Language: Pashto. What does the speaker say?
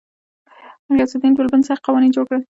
غیاث الدین بلبن سخت قوانین جوړ کړل.